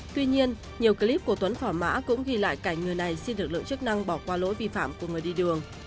tuy nhiên nhiều clip của tuấn phỏ mã cũng ghi lại cảnh người này xin lực lượng chức năng bỏ qua lỗi vi phạm của người đi đường